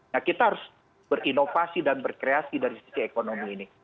nah kita harus berinovasi dan berkreasi dari sisi ekonomi ini